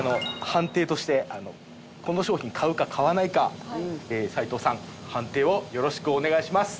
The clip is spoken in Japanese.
判定としてこの商品買うか買わないか齊藤さん判定をよろしくお願いします。